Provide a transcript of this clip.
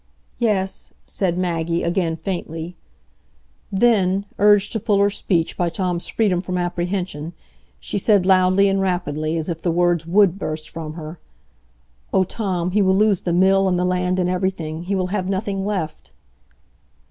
"Yes," said Maggie, again faintly. Then, urged to fuller speech by Tom's freedom from apprehension, she said loudly and rapidly, as if the words would burst from her: "Oh, Tom, he will lose the mill and the land and everything; he will have nothing left."